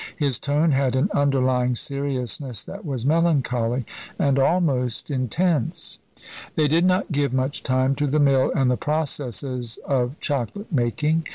His tone had an underlying seriousness that was melancholy, and almost intense. They did not give much time to the mill and the processes of chocolate making.